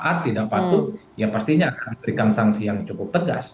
kalau memang tidak taat tidak patut ya pastinya akan memberikan sanksi yang cukup tegas